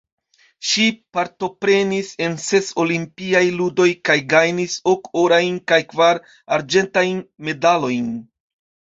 Ŝi partoprenis en ses Olimpiaj Ludoj kaj gajnis ok orajn kaj kvar arĝentajn medalojn.